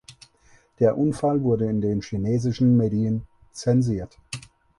Der Unfall wurde in den chinesischen Medien zensiert.